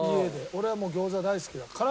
俺は餃子大好きだから。